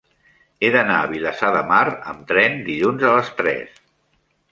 He d'anar a Vilassar de Mar amb tren dilluns a les tres.